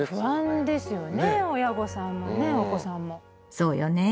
そうよね。